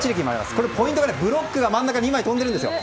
これはポイントがブロックが真ん中で２枚跳んでるんですよ。